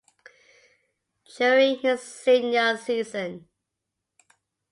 During his senior season.